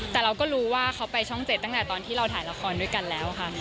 แต่เราก็รู้ว่าเขาไปช่อง๗ตั้งแต่ตอนที่เราถ่ายละครด้วยกันแล้วค่ะ